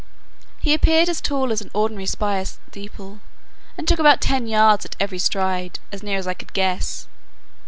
He appeared as tall as an ordinary spire steeple, and took about ten yards at every stride, as near as I could guess.